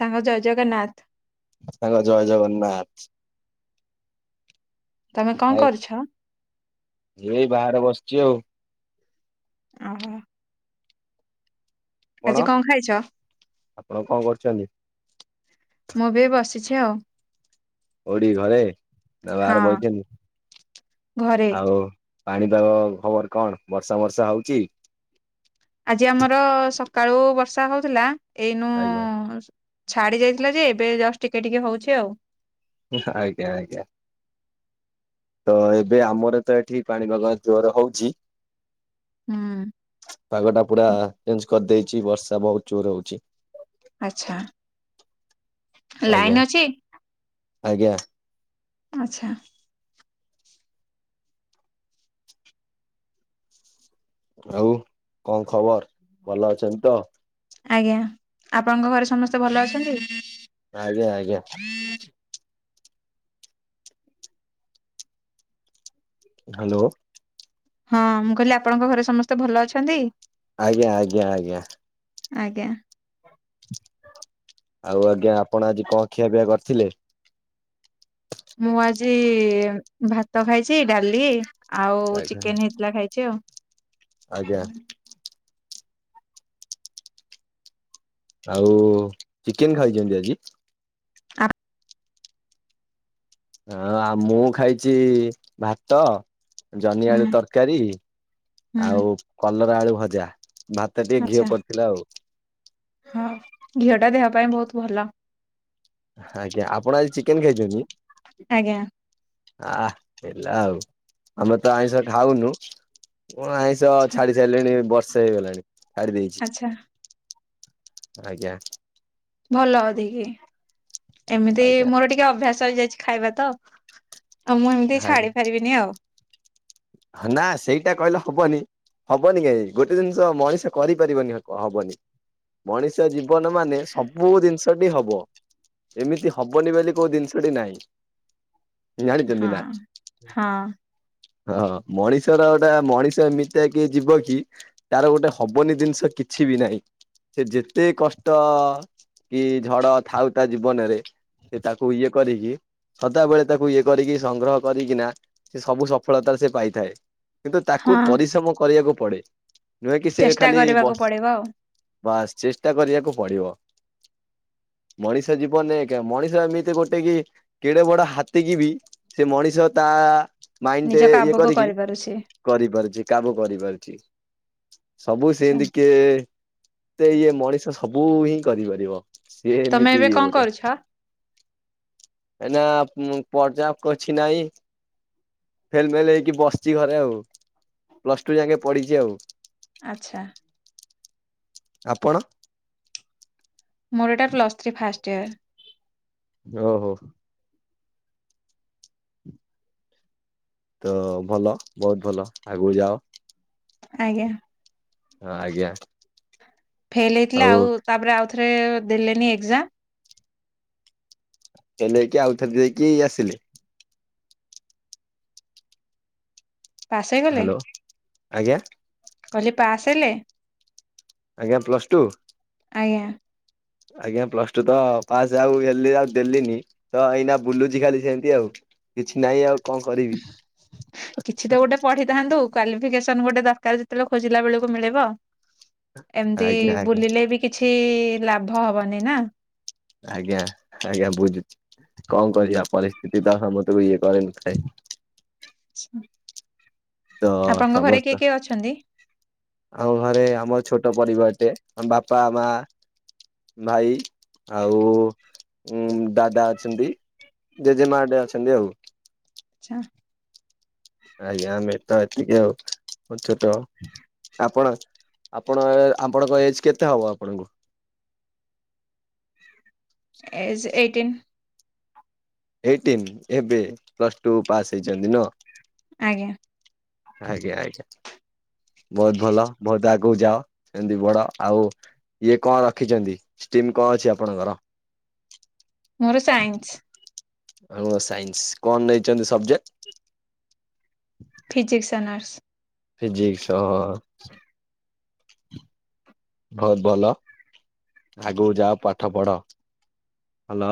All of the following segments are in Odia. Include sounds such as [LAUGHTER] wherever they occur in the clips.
ସାଙ୍ଗ ଜୟ ଜଗନ୍ନାଥ। ସାଙ୍ଗ ଜୟ ଜଗନ୍ନାଥ। ତମେ କଣ ଆଉ କରୁଛ? ଏଇ ବାହାରେ ବସିଚି ଆଉ। ଓହୋ। ଆଜି କଣ ଖାଇଛ? ଆପଣ କଣ କରୁଚନ୍ତି? କିଛି ଆଉ କଉଡି ଘରେ ନା ହଁ ବାହାରେ ବଇଛନ୍ତି ଘରେ ଆଉ ପାଣିପାଗ ଖବର କଣ ବର୍ଷା ବର୍ଷା ହଉଚି? ଆଜି ଆମର ସକାଳୁ ବର୍ଷା ହଉଥିଲା। ଏଇନୁ ଆଜ୍ଞା ଛାଡି ଯାଇଥିଲା ଯେ ଏବେ ଜଷ୍ଟ ଟିକେ ଟିକେ ହଉଚି ଆଉ। ଆଜ୍ଞା ଆଜ୍ଞା। ତ ଏବେ ଆମର ତ ଏଠି ପାଣିପାଗ ଜୋର ହଉଚି। ପାଗ ଟା ପୁରା ହୁଁ ଚେଞ୍ଜ କରିଦେଇଚି ବର୍ଷା ବହୁତ ଚୋର ହଉଚି। ଆଚ୍ଛା। ଆଜ୍ଞା ଲାଇନ୍ ଅଛି? ଆଜ୍ଞା। ଆଚ୍ଛା। ଆଉ କଣ ଖବର ଭଲ ଅଛନ୍ତି ତ? ଆଜ୍ଞା ଆପଣଙ୍କ ଘରେ ସମସ୍ତେ ଭଲ ଅଛନ୍ତି? ଆଜ୍ଞା ଆଜ୍ଞା। ହାଲୋ। ହଁ ମୁଁ କହିଲି ଆପଣଙ୍କ ଘରେ ସମସ୍ତେ ଭଲ ଅଛନ୍ତି? ଆଜ୍ଞା ଆଜ୍ଞା ଆଜ୍ଞା। ଆଜ୍ଞା। ଥିଲେ। ମୁଁ ଆଜି ଭାତ ଖାଇଚି ଡାଲି ଆଉ ଆଜ୍ଞା ଚିକେନ ହେଇଥିଲା ଖାଇଚି ଆଉ। ଆଜ୍ଞା ଆଉ ଚିକେନ ଖାଇଚନ୍ତି ଆଜି? ଆ। ହଁ ଆଉ ମୁଁ ଖାଇଚି ଭାତ ଜହ୍ନି ହୁଁ ଆଳୁ ତରକାରୀ ହୁଁ ଆଉ କଲରା ଆଳୁ ଭଜା ଭାତ ଟିକେ ଆଚ୍ଛା ଘିଅ ପଡିଥିଲା ଆଉ। ହଁ ଘିଅ ଟା ଦେହ ପାଇଁ ବହୁତ ଭଲ। ଆଜ୍ଞା ଆପଣ ଆଜି ଚିକେନ ଖାଇଚନ୍ତି! ଆଜ୍ଞା। ଆ ହେଲା ଆଉ ଆମେ ତ ଆଇଁଷ ଖାଉନୁ ହଁ ଆଇଁଷ ଆଛା ଛାଡି ସାରିଲିଣି, ବର୍ଷେ ହେଇଗଲାଣି ଛାଡି ଦେଇଚି। ଆଚ୍ଛା ଆଜ୍ଞା। ଭଲ ଅଧିକି ଏମିତି ଆଜ୍ଞା ମୋର ଟିକେ ଅଭ୍ୟାସ ହେଇଯାଇଛି ଖାଇବା ତ ଆଉ ମୁଁ ଏମିତି ଆଜ୍ଞା ଛାଡି ପାରିବିନି ଆଉ। ନା ସେଇଟା କହିଲେ ହବନି ହବନି କାଇଁ ଗୋଟେ ଜିନିଷ ମଣିଷ କରିପାରିବନି ହବନି ମଣିଷ ଜୀବନ ମାନେ ସବୁ ଜିନିଷଟି ହବ ଏମିତି ହବନି ବୋଲି କୋଉ ଜିନିଷଟି ନାହିଁ ହଁ ଜାଣିଛନ୍ତି ନା! ହଁ ହଁ ମଣିଷର ଗୋଟା ମଣିଷ ଏମିତିଆ କି ଜୀବ କି ତାର ଗୋଟେ ହବନି ଜିନିଷ କିଛି ବି ନାହିଁ ସେ ଯେତେ କଷ୍ଟ କି ଝଡ ଥାଉ ତା ଜୀବନରେ ସେ ତାକୁ ଇଏ କରିକି ସଦାବେଳେ ତାକୁ, ଇଏ କରିକି ସଂଗ୍ରହ କରିକିନା ସେ ସବୁ ସ ସଫଳତାରେ ସେ ପାଇଥାଏ, କିନ୍ତୁ ତାକୁ ହଁ ପରିଶ୍ରମ କରିବାକୁ ପଡେ ନୁହେଁ କି ସେ ଚେଷ୍ଟା ଖାଲି ବ କରିବାକୁ ପଡିବ ଆଉ ବା ଚେଷ୍ଟା କରିବାକୁ ପଡିବ ହ ମଣିଷ ଜୀବନ ମଣିଷ ଏମିତି ଗୋଟେ କି କେଡେ ବଡ ହାତୀ କି ବି ସେ ମଣିଷ ତା ଆ ମାଇଣ୍ଡ ଟ ନିଜ ଇଏ କାମକୁ କରିକି କରିପାରୁଛି। କରିପାରୁଛି କାମ କରିପାରୁଛି ସବୁ ସେ ଆଛା ତିକେ ଇଏ ମଣିଷ ସବୁ ହିଁ କରିପାରିବ। ସେ ତମେ ଏମିତି ଏବେ ଇ କଣ ଗୋଟେ କରୁଛ ଏ ମୁଁ ପର୍ଯ୍ୟାପ୍ ଅଛି ନାଇଁ ଫେଲେ ମେଲେ ହେଇକି ବସିଛି ଘରେ ଆଉ ପ୍ଲାଷ୍ଟୁ ଯାଏ ପଢ଼ି ଚି ଆଉ ଆଚ୍ଛା। ଆପଣ ମୋର ଏଇଟା ପ୍ଲସ୍ ଥ୍ରୀ ଫାଷ୍ଟ ଇୟର ଓ ହୋ। ତ ଭଲ ବହୁତ ଭଲ ଆଗକୁ ଯାଅ ଆଜ୍ଞା ହଁ ଆଜ୍ଞା। ଫେଲ ହେଇଥିଲେ ଆଉ ତାପରେ ଆଉଥରେ ଦେଲେନି ଏକ୍ଜାମ? ଏ ନେଇକି ଆଉଥର ଦେଇକି ଆସିଲେ। ପାସ୍ ହେଇଗଲେ ହ୍ୟାଲୋ ଆଜ୍ଞା କଲି ପାସ୍ ହେଲେ? ଆଜ୍ଞା ପ୍ଲାଷ୍ଟୁ। ଆଜ୍ଞା ଆଜ୍ଞା ପ୍ଲସ ଟୁ ତ ପାସ୍ ଆଉ ହେଲି, ଆଉ ଦେଲିନି ତ ଏଇନା ବୁଲୁଛି ଖାଲି ସେମତି ଆଉ କିଛି ନାହିଁ ଆଉ କଣ କରିବି କିଛି ତ ଗୋଟେ ପଢିଥାନ୍ତୁ କ୍ଵାଲିଫିକେସନ ଗୋଟେ ଦରକାର ଯେତେବେଳେ ଖୋଜିଲା ବେଳକୁ ମିଳିବ ଏମିତି ଆଜ୍ଞା ଆଜ୍ଞା। ବୁଲିଲେ ବି କିଛି ଲାଭ ହବନି ନା। ଆଜ୍ଞା ଆଜ୍ଞା ବୁଝୁ କଣ କରିବା ପରିସ୍ଥିତି ତ ସମସ୍ତେଙ୍କୁ ଇଏ କରେନି ଖାଇ [INAUDIBLE] [INAUDIBLE] ତ ଆପଣଙ୍କ ଘରେ କିଏ ସମସ୍ତ କିଏ ଅଛନ୍ତି? ଆଉ ଘରେ ଆମର ଛୋଟ ପରିବାର ଆମ ବାପା ମା ଭାଇ ଆଉ ଦାଦା ଅଛନ୍ତି ଜେଜେମା ଟେ ଅଛନ୍ତି ଆଉ। ଆଛା। ଆଜ୍ଞା ଆମେ ତ ଏତିକି ଆଉ ଛୋଟ ଆପଣ ଆପଣ ଏ ଆପଣଙ୍କ ଏଜ୍ କେତେ ହବ ଆପଣଙ୍କୁ? Age eighteen. ଏଇଟିନ୍ ଏବେ ପ୍ଲସ୍ ଟୁ ପାସ୍ ହେଇଛନ୍ତି ନୁହଁ। ଆଜ୍ଞା। ଆଜ୍ଞା ଆଜ୍ଞା। ବହୁତ ଭଲ ବହୁତ ଆଗକୁ ଯାଅ, ଏନିତି ବଡ। ଆଉ ଇଏ କଣ ରଖିଛନ୍ତି? ଟିମ୍ କଣ ଅଛି ଆପଣଙ୍କର? ମୋର ସାଇନ୍ସ। ହ ସାଇନ୍ସ, କଣ ନେଇଛନ୍ତି subject? Physics and arts. Physics ହଁ-ଅ-ଅ। ବହୁତ ଭଲ ଆଗକୁ ଯାଅ ପାଠ ପଢ। ଭଲ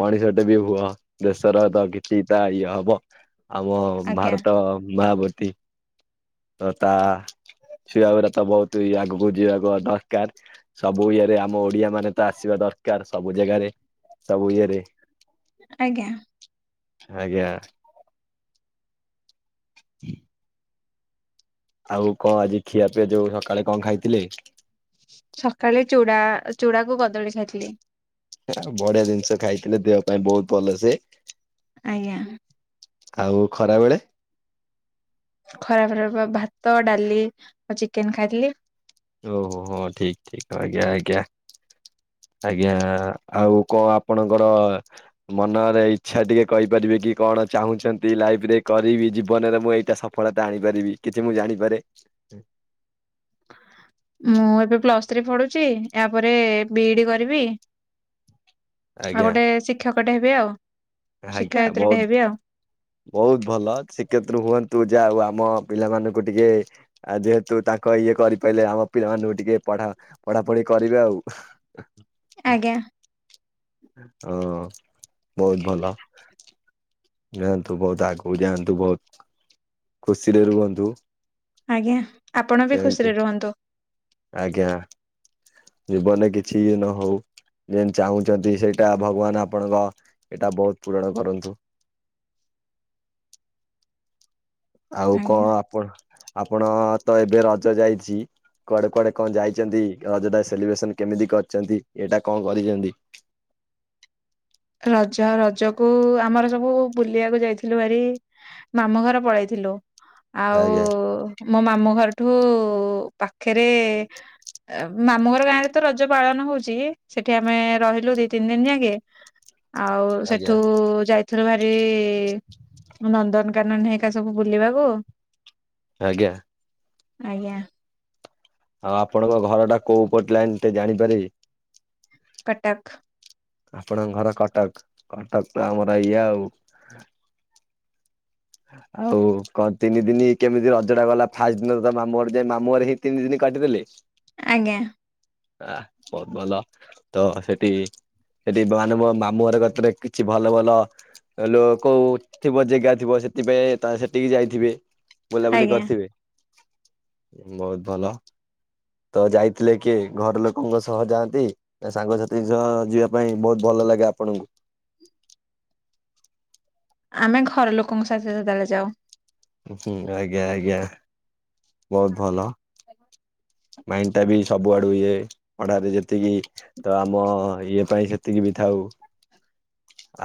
ମଣିଷଟେ ବି ହୁଅ ଦେଶର ତ କିଛି ଟା ଇଏ ହବ। ଆମ ଆଜ୍ଞା ଭାରତ [UNINTELLIGIBLE] ତି ତା-ଆ-ଆ ଛୁଆ ଗୁଡାକ ବହୁତ ଇଏ ଆଗକୁ ଯିବା କଣ ଦରକାର ସବୁ ଇଏରେ ଆମ ଓଡିଆ ମାନେ ତ ଆସିବା ଦରକାର ସବୁ ଜାଗାରେ। ସବୁ ଇଏରେ। ଆଜ୍ଞା। ଆଜ୍ଞା। ଆଉ କଣ ଆଜି ଖିଆ ପିଆ ଯୋଉ ସକାଳେ କଣ ଖାଇଥିଲେ? ସକାଳେ ଚୁଡ଼ା ଚୂଡାକୁ କଦଳୀ ଖାଇଥିଲି। ସେଟା ବଢିଆ ଜିନିଷ ଖାଇଥିଲେ ଦେହ ପାଇଁ ବହୁତ ଭଲ ସେ। ଆଜ୍ଞା। ଆଉ ଖରା ବେଳେ? ଖରା ଖରା ଭାତ, ଡାଲି ଆଉ ଚିକେନ ଖାଇଥିଲି। ଓ ହୋ ହୋ ଠିକ ଠିକ ଆଜ୍ଞା ଆଜ୍ଞା। ଆଜ୍ଞା ଆଉ କଣ ଆପଣଙ୍କର ମନରେ ଇଚ୍ଛା ଟିକେ କହିପାରି ବେକି କଣ ଚାହୁଁଛନ୍ତି ଲାଇଫ ରେ କରିବି ଜୀବନରେ ମୁଁ ଏଇଟା ସଫଳତା ଆଣିପାରିବି, କିଛି ମୁଁ ଜାଣିପାରେ। ହୁଁ ମୁଁ ଏବେ ପ୍ଲସ ଥ୍ରୀ ପଢୁଛି ୟା ପରେ ବିଇଡି କରିବି। ଆଉ ଆଜ୍ଞା। ଗୋଟେ ଶିକ୍ଷକଟେ ହେବି ଆଉ। ଆଜ୍ଞା ଶିକ୍ଷୟତ୍ରୀଟେ ବହୁତ ହେବି ଆଉ ବହୁତ ଭଲ ଶ୍ରୀକ୍ଷେତ୍ର ହୁଅନ୍ତୁ ଯା ଆଉ ଆମ ପିଲାମାନଙ୍କୁ ଟିକେ ଆ ଯେହେତୁ ତାଙ୍କ ଇଏ କରିପାରିଲେ ଆମ ପିଲାମାନଙ୍କୁ ଟିକେ ପଢା ପଢା ପଢି କରିବେ ଆଉ ଆଜ୍ଞା। ହଁ ବହୁତ ନିଅନ୍ତୁ ବହୁତ ଆଗକୁ ଯାଆନ୍ତୁ, ବହୁତ ଖୁସିରେ ରୁହନ୍ତୁ। ଆଜ୍ଞା ଆପଣ ବି ସେମିତି ଖୁସିରେ ରୁହନ୍ତୁ। ଆଜ୍ଞା ଜୀବନରେ କିଛି ନ ହଉ। ଯେନ୍ ଚାହୁଁଛନ୍ତି ସେଇଟା ଭଗବାନ ଆପଣଙ୍କ ଏଇଟା ବହୁତ ପୂରଣ କରନ୍ତୁ। ଆଉ ଆଜ୍ଞା। କଣ ଆପଣ ଆପଣ ତ ଏବେ ରଜ ଯାଇଛି କୁଆଡେ କୁଆଡେ କଣ ଯାଇଛନ୍ତି ରଜଟା ସେଲିବ୍ରେସନ କେମିତି କରିଛନ୍ତି, ଏଇଟା କଣ କରିଛନ୍ତି? ରଜ ରଜକୁ ଆମର ସବୁ ବୁଲିବାକୁ ଯାଇଥିଲୁ ଭାରି ମାମୁଁ ଘର ପଳେଇଥିଲୁ। ଆଜ୍ଞା ଆଉ-ଉ-ଉ-ଉ ମୋ ମାମଁ ଘରଠୁ-ଉ-ଉ ପାଖରେ ଅ ମାମୁ ଘର ଗାଁ ରେ ତ ରଜ ପାଳନ ହଉଛି ସେଠି ଆମେ ରହିଲୁ ଦି ତିନି ଦିନ ଯାକେ। ଆଉ ଆଜ୍ଞା ସେଠୁ-ଉ-ଉ-ଉ ଯାଇଥିଲୁ ଭାରି-ଇ-ଇ-ଇ ନନ୍ଦନକାନନ ହେରି ଆ ସବୁ ବୁଲିବାକୁ। ଆଜ୍ଞା। ଆଜ୍ଞା। ଆଉ ଆପଣଙ୍କ ଘର ଟା କୋଉ ପଟ ଲାଇନ ଟିକେ ଜାଣିପାରିବି? କଟକ। ଆପଣଙ୍କ ଘର କଟକ କଟକ ତ ଆମର ଇଏ ଆଉ ଆଉ କଣ ତିନି ଦିନ କେମିତି ରଜଟା ଗଲା ଫାଷ୍ଟ ଦିନ ତ ମାମୁଁ ଘର ଯାଇଁ ମାମୁଁ ଘରେ ହେଇ ତିନି ଦିନ କ କାଟି ଦେଲେ ଆଜ୍ଞା। ଆ ବହୁତ ଭଲ ତ ସେଠି ସେଠି ମାନେ ମୋ ମାମୁଁ ଘର କତିରେ କିଛି ଭଲ ଭଲ ହେଲୋ କୋଉ ଥିବ ଜାଗା ଥିବ ସେ ସେଥିପାଇଁ ତା ସେଠିକି ଯାଇଥିବେ ବୁଲାବୁଲି ଆଜ୍ଞା କରିଥିବେ ବହୁତ ଭଲ। ତ ଯାଇଥିଲେ କିଏ ଘର ଲୋକଙ୍କ ସହ ଯାଆନ୍ତି ସାଙ୍ଗସାଥି ସହ ଯିବା ପାଇଁ ବହୁତ ଭଲ ଭଲ ଲାଗେ ଆପଣଙ୍କୁ? ଆମେ ଘର ଲୋକଙ୍କ ସାଥିରେ ସଦାବେଳେ ଯାଉ। ହୁଁ ଆଜ୍ଞା ଆଜ୍ଞା ବହୁତ ଭଲ। ମାଇଣ୍ଡ ଟା ବି ସବୁଆଡୁ ଇଏ ପଢାରେ ଯେତିକି ତ ଆମ ଇଏ ପାଇଁ ସେତିକି ବି ଥାଉ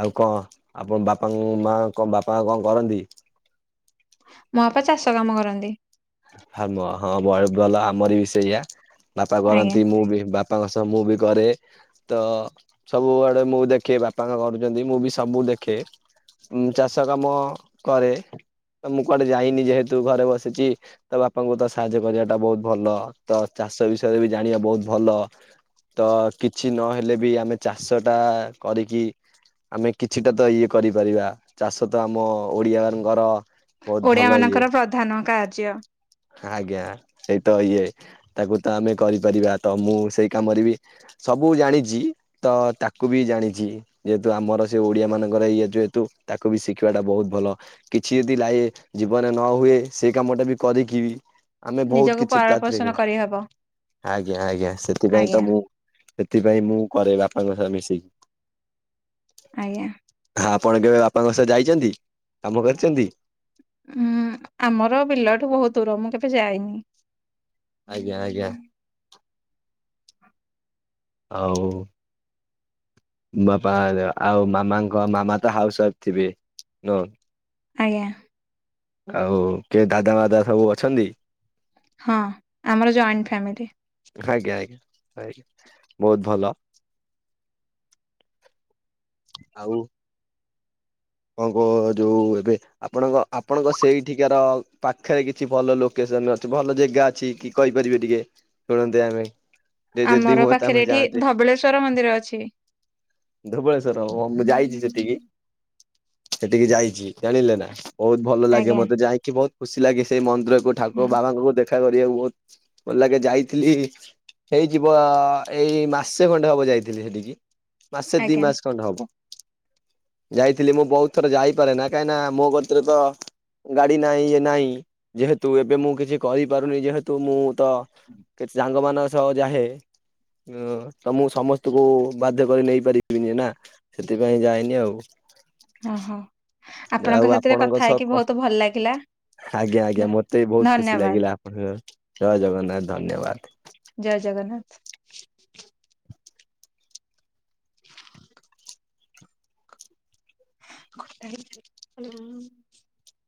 ଆଉ କଣ ଆପଣ ବାପାଙ୍କ ମା କଣ ବାପା କଣ କରନ୍ତି? ତ କାମ କରନ୍ତି। ହମ ହଁ ବ ଭଲ ଆମରି ବି ସେଇଆ। ବାପା ଆଜ୍ଞା କରନ୍ତି ମୁଁ ବି ବାପାଙ୍କ ସହ ମୁଁ ବି ଘରେ ତ ସବୁଆଡେ ମୁଁ ଦେଖେ ବାପା କଣ କରୁଚନ୍ତି ମୁଁ ବି ସବୁ ଦେଖେ। ହୁଁ ଚାଷ କାମ କରେ ତ ମୁଁ କୁଆଡେ ଯାଇନି ଯେହେତୁ ଘରେ ବସିଚି ତ ବାପାଙ୍କୁ ତ ସାହାଯ୍ୟ କରିବାଟା ବହୁତ ଭଲ ତ ଚାଷ ବିଷୟରେ ବି ଜାଣିବା ବହୁତ ଭଲ ତ କିଛି ନହେଲେ ବି ଆମେ ଚାଷ ଟା କରିକି ଆମେ କିଛିଟା ତ ଇଏ କରିପାରିବା ଚାଷ ତ ଆମ ଓଡିଆଙ୍କର ଓଡିଆ ମାନଙ୍କର ପ୍ରଧାନ କାର୍ଯ୍ୟ ଆଜ୍ଞା ସେଇତ ଇଏ ତାକୁ ତ ଆମେ କରିପାରିବା ତ ମୁଁ ସେଇ କାମରେ ବି ସବୁ ଜାଣିଚି ତ ତାକୁ ବି ଜାଣିଚି ଯେହେତୁ ଆମର ସେ ଓଡିଆ ମାନଙ୍କର ଇଏ ଯେହେତୁ ତାକୁ ବି ଶିଖିବା ଟା ବହୁତ ଭଲ କିଛି ଯଦି ଲାଇ ଜୀବନ ରେ ନ ହୋଉ ଏ ସେଇ କାମଟା ବି କରି କି ଆମେ ବହୁତ ନିଜକୁ କିଛି ତା ପରିପୋଷଣ ଥିରେ କରିହବ। ଆଜ୍ଞା ଆଜ୍ଞା ସେଥିପାଇଁ ଆଜ୍ଞା ତ ମୁଁ ସେଥିପାଇଁ ମୁଁ କରେ ବାପାଙ୍କ ତ ମିସିକି ଆଜ୍ଞା। ଆପଣ କେବେ ବାପାଙ୍କ ସହ ଯାଇଚନ୍ତି କାମ କରିଚନ୍ତି? ଉୁଁ ଆମର ବିଲଠୁ ବହୁତ ଦୂର ମୁଁ କେବେ ଯାଇନି। ତ [UNINTELLIGIBLE] ଆଉ ବାପା ଦେ ଆଉ ମାମାଙ୍କ ମାମା ତ ହାଉସ ୱାଇଫ ଥିବେ ନୁହଁ? ଆଜ୍ଞା। ଆଉ କିଏ ଦାଦା ମାଦା ସବୁ ଅଛନ୍ତି? ହଁ ଆମର ଜଏଣ୍ଟ ଫ୍ୟାମିଲି। ଆଇଁ ବହୁତ ଭଲ। ଆଉ କଣ କୁହ ଯୋଉ ଏବେ ଆପଣଙ୍କ ଆପଣଙ୍କ ସେଇଠିକାର ପାଖରେ କିଛି ଭଲ ଲୋକେ ସନ ଅଛି ଭଲ ଜେଗା ଅଛି କି କହିପାରିବେ ଟିକେ ଶୁଣନ୍ତେ ଆମେ। ଯେ ଯଦି ଆମର ହୁଅନ୍ତା ପାଖରେ ଆମେ ଏଠି ଯାଆନ୍ତେ ଧବଳେଶ୍ଵର ମନ୍ଦିର ଅଛି ଧବେଳେସ ଶ୍ଵର ଓ ମୁଁ ଯାଇଚି ସେଠିକି ସେଠିକି ଯାଇଚି ଜାଣିଲ ନା। ବହୁତ ଭଲ ଲାଗେ ଆଜ୍ଞା ମତେ ଯାଇକି ବହୁତ ଖୁସି ଲାଗେ ସେଇ ମନ୍ଦିରକୁ ଠାକୁ ହଁ ବାବାଙ୍କୁ ଦେ କରିବାକୁ ବହୁତ ଭଲ ଲାଗେ ଯାଇଥିଲି। ହେଇ ଯିବ ଏଇ ମାସେ ଖଣ୍ଡେ ହବ ଯାଇଥିଲି ହେଇଠିକି। ମାସେ ଦି ଆଜ୍ଞା ମାସେ ଖଣ୍ଡ ହବ ଯାଇ ଥିଲି ମୁଁ ବହୁତ ଥର ଯାଇପାରେ ନା କାହିଁକି ନା ମୋ କତିରେ ତ ଗାଡି ନାହିଁ ଇ ନାହିଁ ଯେହେତୁ ଏବେ ମୁଁ କିଛି କହିପାରୁନି ଯେହେତୁ ତ କେତେ ସାଙ୍ଗ ମାନଙ୍କ ସହ ଯାହେ। ଉଁ ତମକୁ ସମସ୍ତଙ୍କୁ ବାଧ୍ୟ କରି ନେଇପାରିବିନି ନା ସେଥିପାଇଁ ଯାଏନି ଆଉ ହଁ ହଁ ଆଉ ଆପଣଙ୍କ ସାଥିରେ କଥା ସହ କ ହେଇକି ବହୁତ ଭଲ ଲାଗିଲା। ଆଜ୍ଞା ଆଜ୍ଞା ଧ- ମତେ ବି ବହୁତ ଖୁସି ଧନ୍ୟବାଦ ଲାଗିଲା ଆପଣଙ୍କର ଜୟ ଜଗନ୍ନାଥ ଧନ୍ୟବାଦ। ଜୟ ଜଗନ୍ନାଥ। [INAUDIBLE]